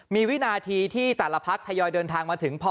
มีวินาทีที่แต่ละพักทยอยเดินทางมาถึงพอ